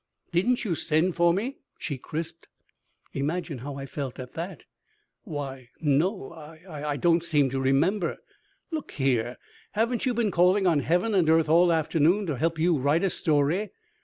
"Didn't you send for me?" she crisped. Imagine how I felt at that! "Why, no. I I don't seem to remember " "Look here. Haven't you been calling on heaven and earth all afternoon to help you write a story?"